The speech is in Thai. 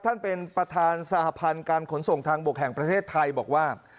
ท่านประธานเป็นประธานสหพันธ์การขนส่งทางบกแห่งประเทศไทยบอกว่า